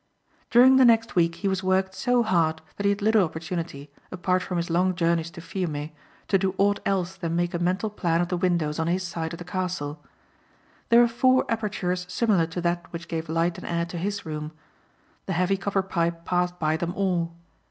During the next week he was worked so hard that he had little opportunity, apart from his long journeys to Fiume, to do aught else than make a mental plan of the windows on his side of the castle. There were four apertures similar to that which gave light and air to his room. The heavy copper pipe passed by them all.